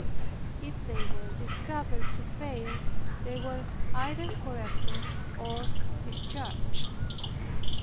If they were discovered to fail, they were either corrected or discharged.